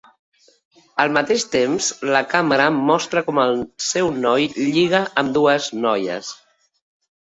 Al mateix temps, la càmera mostra com el seu noi lliga amb dues noies.